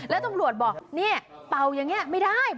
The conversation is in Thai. แล้วตำรวจบอกเนี่ยเป่าอย่างนี้ไม่ได้